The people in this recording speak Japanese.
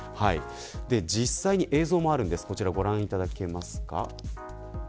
実際に映像もあるのでこちらをご覧いただけますか。